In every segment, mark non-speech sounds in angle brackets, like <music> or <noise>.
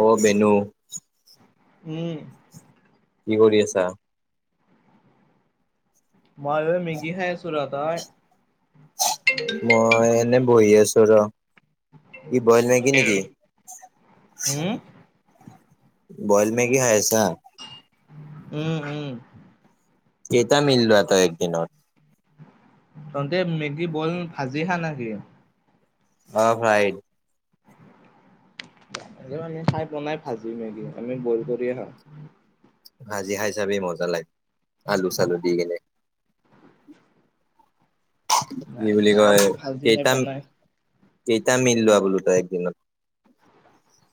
অ বেনু। উম। কি কৰি আছা? মই মেগি খাই আছোঁ ৰহ তই? মই এনেই বহি আছো ৰহ কি বইল মেগি নেকি? উম, বইল মেগি খাই আছা। উম উম। কেইটা মিললোৱা তই একদিনত? তহতে মেগী বইল ভাজি হা নেকি? অ ফ্ৰাই। আজিলৈকে খাই পোৱা নাই ভাজি মেগি আমি বইল কৰিয়ে খাওঁ। ভাজি খাই চাবি মজা লাগে আলু চালু দি কিনে। <unintelligible> নাই নাই কয় আমি ভাজিহে কেইটা বনাই। কেইটা মিললোৱা বোলো তই একদিনত?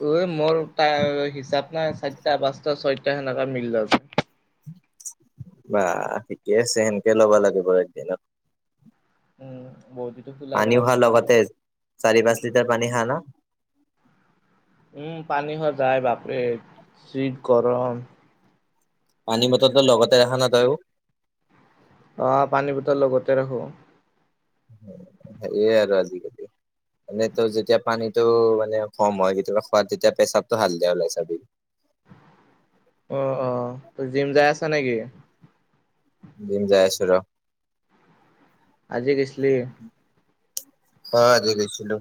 ঐ মোৰ তাৰ হিচাপ নাই চাৰিটা পাঁচটা ছয়টা সেনেকা মিল বা ঠিকে আছে সেনকে ল'ব লাগে বাৰু একদিনত। বহুত দিন পানী হোৱাৰ লগতে চাৰি পাঁচ লিটাৰ পানী খা না? উম পানী সদায় বাপৰে জি গৰম। পানী বটল তো লগতে ৰখা না তয়ো? অ পানী বটল লগতে ৰাখো। সেয়ে আৰু আজিকালি। মানে তই যেতিয়া পানীটো মানে কম হয় কেতিয়াবা খোৱাত তেতিয়া পেচাবটো হালধিয়া ওলাই চাবি। অ অ তই জিম যাই আছা নেকি? জিম যাই আছো ৰহ আজি গৈছিলি? অ, আজি গৈছিলো।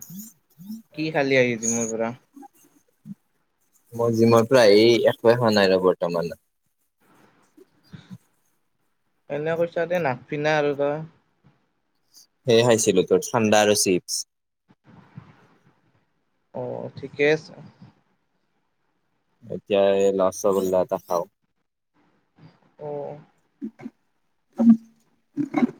<unintelligible> কি খালি আহি জীমৰ পৰা? মোৰ জীমৰ পৰা এই একোয়েই খোৱা নাই বৰ্তমানত। এনে কৈছ দে নাক পিন্ধা আৰু তই। সেয়ে খাইছিলোঁ, তোৰ ঠাণ্ডা আৰু চিপছ অ, ঠিকে আছে। এতিয়া এই ৰ'চ গোল্লা এটা খাওঁ। অ'। <inaudible>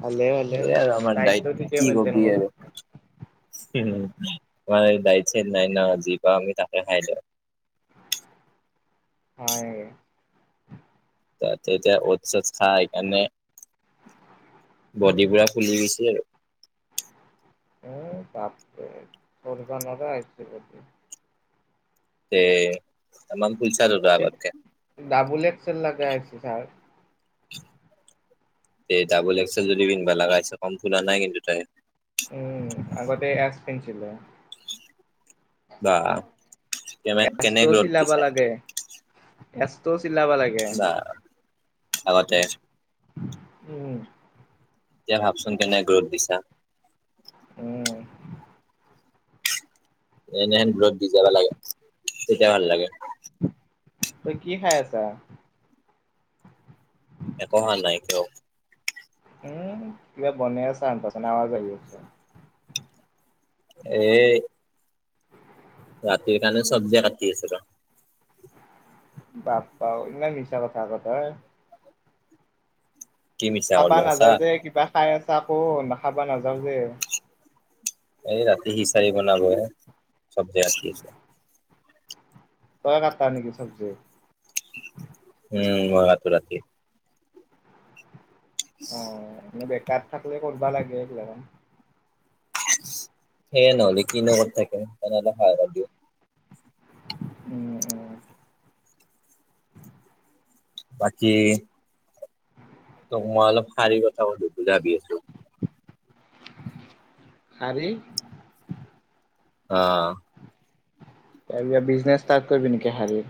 ভালে ভালে সেয়াই আৰু আমাৰ দায়িত্ব দাইট ঠিকে কি মেইনটেইন কবি কৰা আৰু। উম, আমাৰ দাইট, চাইট নাই ন, যি পাওঁ আমি তাকে খাই দওঁ। হয়। তাতে এতিয়া অটচ-চটচ খাই সেইকাৰণে বডী পুৰা ফুলি গৈছে আৰু। <unintelligible> তে-তামাম ফুলচা তো তই আগত কে। ডাবুল এক্সেল লাগা আছে ছাৰ। তে, ডাবুল এক্সেল যদি পিন্ধবা লাগা হৈছে, কম ফুলা নাই, কিন্তু তই। উম, আগতে এক্স পিন্ধছিলা। বা কেনে কেনে <unintelligible> গ্ৰ'থ চিলাবা দিছা লাগে। এচটোও চিলাবা লাগে। বা, আগতে উম। এতিয়া ভাবচোন কেনে গ্ৰ'থ দিছা। উম। এনেহেন ব্লড দি যাবা লাগে, তেতিয়া ভাল লাগে। তই কি খাই আছা? একো খোৱা নাই, কিয়? উম, কিবা বনেই আছা <unintelligible> আৱাজ আহি আছে। এই ৰাতি কাৰনে চব্জি কাটি আছোঁ, ৰহ। বাপ্পা ঐ ইমান মিছা কথা ক তই। কি মিছা খাবা কলো সঁচা নাযাওঁ দে কিবা খাই আছা, কোন খাবা নাযাওঁ দে। এই ৰাতি খিচাৰি বনালোঁ এ চবজি কাটি আছোঁ। তই কাটা নেকি চবজি। উম, মই কাটো ৰাতি। মানে বেকাৰ থাকিলে কৰিবা লাগে এইবিলাকখন। সেয়ে ন'হলি কিনো কৰি থাকিম <unintelligible> উম, উম। বাকী? তোক মই অলপ শাৰী কথা সুধোঁ বুজাবি। শাৰী অ'। তাৰপিছ বিজনেছ ষ্টাৰ্ট কৰিবি, নেকি শাৰী?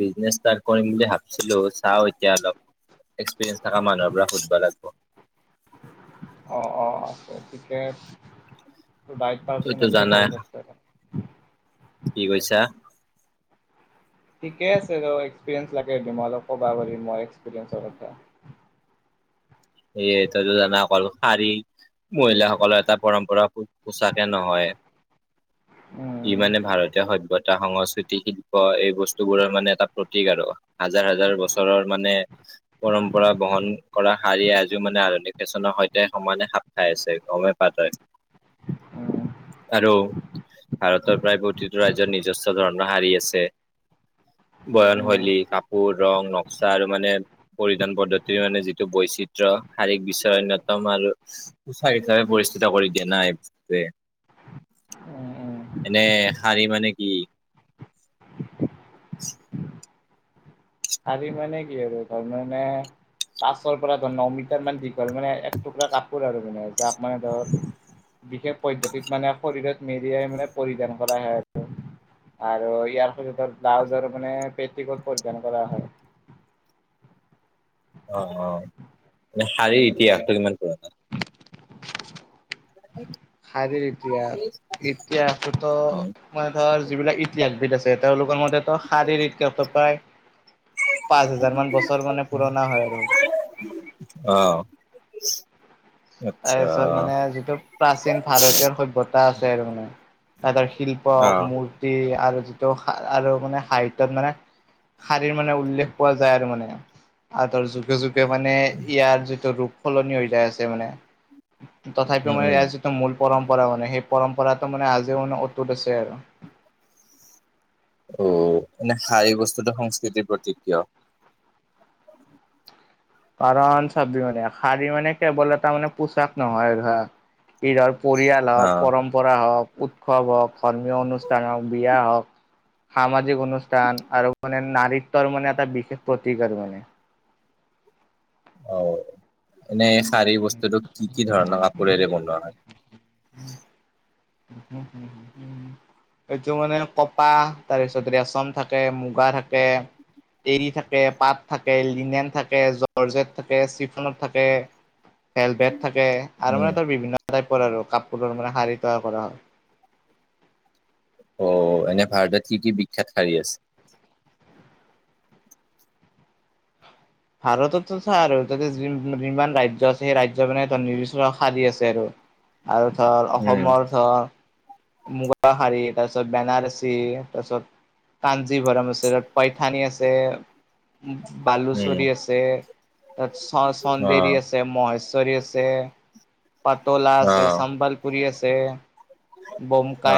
বিজনেছ ষ্টাৰ্ট কৰিম বুলি ভাবিছিলোঁ চাওঁ, এতিয়া অলপ এক্সপিৰিয়েঞ্চ থকা মানুহৰ পৰা সুধবা লাগব। অ', অ', আছে তইতো জানাই <unintelligible> কি কৈছা? ঠিকে আছে ৰ, এক্সপিৰিয়েঞ্চ লাগেমল ক'বা পাৰি মই এক্সপিৰিয়েঞ্চৰ এটা সেয়ে তইটো জানা অকল শাৰী মহিলাসকলৰ এটা পৰম্পৰা পো পোছাকে নহয়! ই উম মানে ভাৰতীয় সভ্যত এটা সংস্কৃতি শিল্প এই বস্তুবোৰৰ মানে এটা প্ৰতীক আৰু হাজাৰ, হাজাৰ বছৰৰ মানে পৰম্পৰা বহন কৰা শাৰীয়ে আজিও মানে আধুনিক ফেশ্বনৰ সৈতে সমানে খাপ খাই আছে! গমে পা তই উম উম আৰু ভাৰতৰ প্ৰায় প্ৰতিটো ৰাজ্যৰ নিজস্ব ধৰণৰ শাৰী আছে বয়নশৈলী উম কাপোৰ ৰং নক্সা আৰু মানে পৰিধান পদ্ধতিৰ মানে যিটো টো বৈচিত্ৰয় শাৰীৰিক বিশ্বৰ অন্যতম আৰু উৎচাহচাপে পৰিস্থিতা কৰি দিয়া নাই এইটোৱে উম এনে শাৰী মানে কি <inaudible> আজি মানে কি আৰু তাৰ মানে তাছৰ পৰা ধৰ ন মিটাৰ মান দীঘল মানে এক টুকুৰা কাপোৰ আৰু মানে যাক মানে ধৰ বিশেষ পদ্ধতিত মানে শৰীৰত মেৰিয়াই মানে পৰিধান কৰা হয়ে আৰু আৰু ইয়াৰ সতে ব্লাউজৰ মানে পেটিকোট পৰিধান কৰা হয় অ অ মানে শাৰীৰ ইতিহাসটো কিমান পুৰণা এই শাৰীৰ ইতিহাস ইতিহাসটোতো মানে ধৰ যিবিলাক ইতিহাসবিদ আছে তেওঁলোকৰ মতেতো শাৰীৰিক প্ৰায় পাঁচ হাজাৰ মান বছৰ মানে পুৰণা হয় আৰু অঁ তাৰপিছত মানে যিটো প্ৰাচীন ভাৰতীয়ৰ সয়ভ্যতা আছে আৰু মানে তৰ শিল্প অ মূ আৰু যিটো আৰু মানে সাহিত্যত মানে শাৰীৰ মানে উল্লেখ পোৱা যায় আৰু মানে আঁতৰ যুগ গজুকে মানে ইয়াৰ যিটো ৰূপ সলনি হৈ যায় আছে মানে তথাপিও উম মানে উম ইয়াৰ যিটো মূল পৰম্পৰা মানে সেই পৰম্পৰাটো মানে আজিও মানে অতুত আছে আৰু অ এনে সাইী বস্তুটো সংস্কৃতিৰ প্ৰতিক কিয় কাৰণ চাবি মানে শাৰী মানে কেৱল এটাাৰ মানে পোচাক নহয় ধৰা এইঈ ধৰ পৰিয়াল অ হওক পৰম্প পৰা হওক উৎসৱ হওক ধৰ্মীয় অনুষ্ঠান হওক বিয়া হওক সামাজিক অনুষ্ঠান আৰু মানে নাৰিত্যৰ মানে এটা বিশেষ প্ৰতীকাৰ আৰু মানে অ এনেই শাৰী বস্তুটো কি কি ধৰণৰ কাপোৰেৰে বনোৱা হয় উ হুম হুম হু হু এইটো মানে কপাহ তাৰপিছত ৰেচম থাকে মুগা থাকে এৰি থাকে পাত থাকে লিনেন থাকে জৰ্জত থাকে চিফনত থাকে হেলমেট থাকে আৰু উম মানে তাৰ বিভিন্ন টাইপৰ আৰু কাপোৰৰ মানে শাৰী তৈয়াৰ কৰা হয় অ এনে ভাৰতত কি কি বিখ্যাত শাৰী আছে ভাৰততো চা আৰু তাতে যি যিমান ৰাজ্য আছে সেই ৰাজ্য মানে ত নিৰ্বচ স দি আছে আৰু <unintelligible> আৰু ধৰ উম অসমৰ ধৰ মুগাহাৰী তাৰপিছত বেনাৰসী তাৰপছত কাানজি ভৰম আছে পইথানী আছে উম বালুচৰি আছে তাৰছ চ অ চন্দেৰী আছে আছে মহেশ্বৰী আছে পাটলা অ আছে চ্বলপুুৰী আছে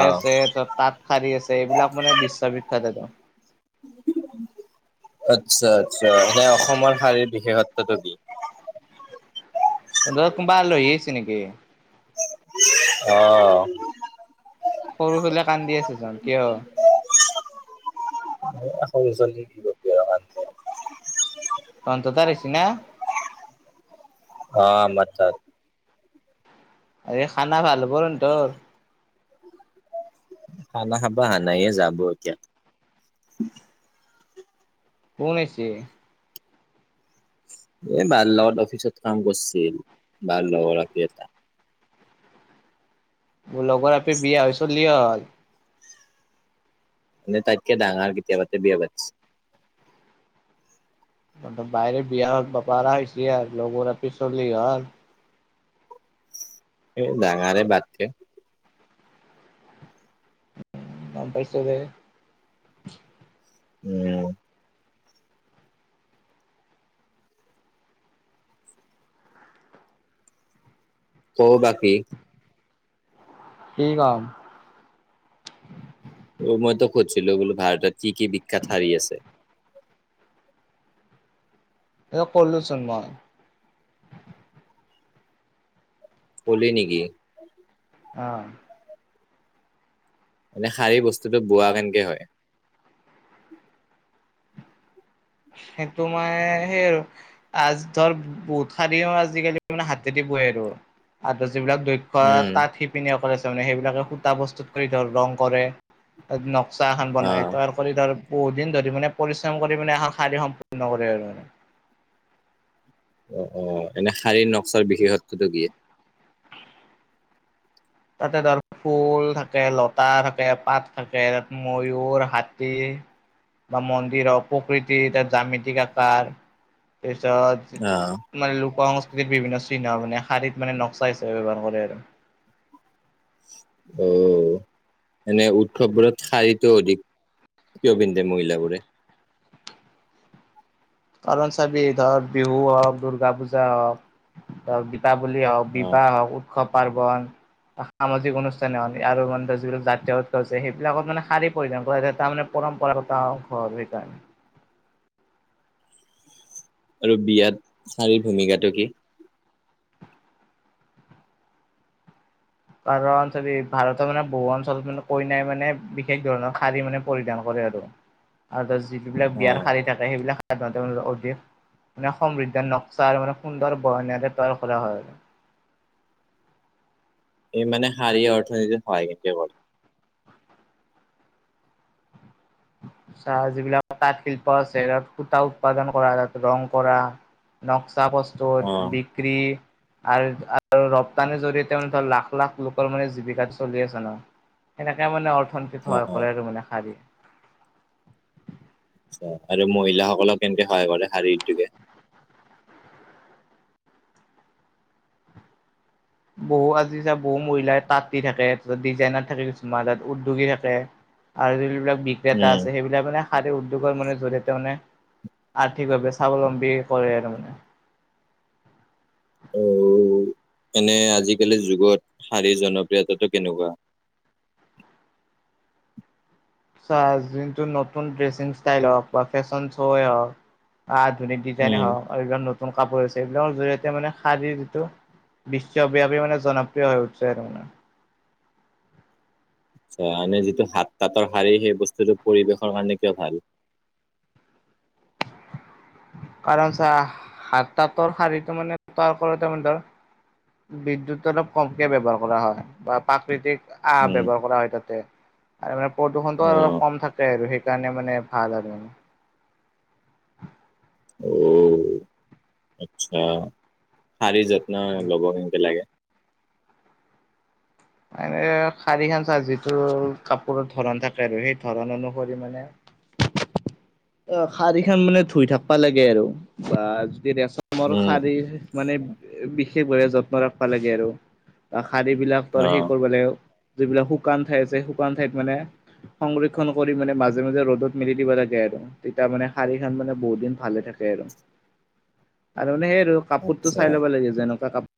অ আছে ত তাঁতশাৰী আছে এইবিলাক মানে বিশ্ব বিখ্যাত আচ্ছা আচ্ছা সে অসমৰ শাৰীৰ বিশেষত্বটো কি <unintelligible> অঁ সৰু ফালে কান্দি আছে চোন কিয় এশ বিছ নি দিব পঞ্চ তাৰিখছ না অ ম আ খানা ভাল বোন তোৰ হানা হবা হ নাইে যাব এতিয়া <unintelligible> কোনছে <unintelligible> এ বাৰ্লত অফিচত কাম কৰিছিল বাৰ্লৰি এটা <unintelligible> মোৰ লগৰ আপি বিয়া হৈছলি হ'ল <unintelligible> ন তাতকে ডাঙৰ কতিয়া ব -ব -আগজ <unintelligible> বাহিৰে বিয়া হক বাপাৰ হৈছে আৰু লগৰ ৰাপি চলি হ'ল <unintelligible> এই ডাঙাৰ বাত থ <unintelligible> নাম পাৰছতে <unintelligible> উম ক বাকী কি কাম অ মইতো খুজছিলো বোলো ভাৰতত কি কি বিখ্যাত হাৰী আছে এ ক'লোচোন মই <unintelligible> কলি নেকি অ মানে শাৰী বস্তুতটো বোৱা কেনকে হয় <unintelligible> সেইটো মই সেই আৰু আ ধৰ বহুত শাৰিও আজিকালি মে হাতেদি বৈ আৰু আৰু যিবিলাক দক্ষ উম <unintelligible> তাঁত শিপিনীয়ে কৰেছে মানে সেইবিলাকে সুতা বস্তুত কৰি ধৰ ৰং কৰে নক্সা এখনান অ বনাই তয়াৰ কৰি ধৰ বহুত দিন ধৰি মানে পৰিশ্ৰম কৰি মানে খালী সম্পূৰ্ণ কৰে আৰু মানে অ -অ -এনে শাৰীৰ নক্সাৰ বিশেষত্বটো কিিয়ে তাতে ধৰ ফুল থাকে লতা থাকে পাত থাকে তাত ময়ুৰ হাতী বা মন্দিৰৰ প্ৰকৃতি ত জামিতি আকাৰ তাৰপিছত অ মানে লোকস সংস্কৃতিৰ বিভিন্ন চিহ্ন মানে শাৰী মানে ন্সা হিচাপে ব্যৱহাৰ কৰে আৰু অ এনে উৎসৱবোৰত শাৰীতটো অধিক কিয় পিন্ধে মহিলাবোৰে কাৰণ চাবি ধৰ বিহু হওক দুূৰ্গা পূজা হওক ধৰক দীপাৱলী হওক অ বিবাহ হওক উৎসৱ পাৰ্বন সামাজিক অনুষ্ঠানোন আৰু মানে যিবিলাক জাতীয় উতছে সেইবিলাকত মানে শাৰী পৰিধান কৰা তাৰ মানে পৰম্পৰাগত ঘৰ সেইকাৰণে আৰু বিয়াত চাৰিৰ ভূমিকাটো কি কাৰণ ভাৰতৰ মানে বহু অঞ্চলত মানে কইনাই মানে বিশেষ ধৰণৰ শাৰী মানে পৰিধান কৰে আৰু উ আৰু যিিবিলাক বিয়াৰ শাৰী থাকে সেইবিলাক সাধ অধিক <unintelligible> মানে সমৃদ্ধ নক্সা মানে সুন্দৰ বয়নতে তৈয়াৰ কৰা হয় আৰু <unintelligible> এই মে শাৰী অৰ্থনীতি হয় কিন্তু চাহ যিবিলাক তাঁত শিল্প আছে সূতা উৎপাদন কৰা ত ৰং কৰা নক্সা পস্ত অ বিিক্ৰী আৰু -আৰু- ৰপ্তানিৰ জৰিয়তে ধৰ লাখ -লাখ- লোকৰ মানে জীৱিকাটো চলি আছে ন সেনেকে মানে অৰ্থনীতিত অ স অ কৰে আৰু মানে শাৰী আচ্ছা আৰু মহিলাসকলক কেনেকে সহায় কৰে শাৰীটোকে বহু আজি চা বহু মহিলাই তাঁতি থাকে তাৰপছত ডিজাইনাৰ থাকে কিছুমান তাত উদ্যোগী থাকে আৰু যিবিলাক বিক্ৰেতা উম আছে সেইবিলাক িল মানে শাৰীৰ উদ্যোগৰ মানে জৰিয়তে ত মানে আৰ্থিকভাৱে স্বাৱলম্বী কৰে আৰু মানে অ', নে আজিকালি যুগত শাৰীৰ জনপ্ৰিয়তাাতটো কেনেকুৱা? চাৰ যোনটো নতুন ড্ৰেছিং ষ্টাইল হওক বা ফেশ্বন শ্ব'য়ে হওক আধুনিক ডিজাইনে উম হওক আৰু এইবিলাক নতুন কাপোৰছে এইবিলাকৰ জৰিয়তে মানে শাৰ়ীৰ যিটো বিশ্বব্যাপী মানে জনপ্ৰিয় হৈ উঠছে আৰু মানে মানে যিটো হাত তাতীৰ শাৰী সেই বস্তুটো পৰিৱেশৰ কাৰণে কিয় ভাল? কাৰণ চা তাতৰ শাৰীটো মানে তাৰ ফলতে তাৰ বিদ্যুত অলপ, কমকে ব্যৱহাৰ কৰা হয়। বা প্ৰাকৃতিক আহ উম ব্যৱহাৰ কৰা হয় তাতে। আৰু মানে প্ৰদূষণটো অ অলপ কম থাকে আৰু সেইকাৰণে মানে ভাল আৰু। অ', আচ্ছা, শাৰী যত্ন ল'ব কেনেকে লাগে মানে, শাৰীখন চাহ যিটো কাপোৰৰ ধৰণ থাকে আৰু সেই ধৰণ অনুসৰি মানে অ', শাৰী খান মানে ধুই থাকিবা লাগে আৰু বা যদি ৰেচমৰ উম শাৰী মানে বিশেষভাৱে যত্ন ৰাখবা লাগে আৰু শাৰী বিলাক ত অ সেই কৰিব লাগে। যিবিলাক শুকান ঠাই আছে শুকান ঠাইত মানে সংৰক্ষণ কৰি মানে, মাজে মাজে ৰ'দত মেলি দিব লাগে আৰু। তেতিতয়া মানে, শাৰী খখন মানে বহুত দিন ভালে থাকে আৰু আৰু মানে সেই আৰু কাপোৰতটো আচ্ছা চাই ল'ব লাগে, যেনেকুৱা ক